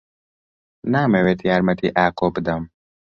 نامەوێت یارمەتیی ئاکۆ بدەم.